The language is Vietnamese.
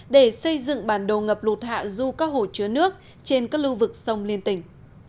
để xây dựng bản đồ ngập lụt hạ du các hồ chứa nước trên các lưu vực sông liên tỉnh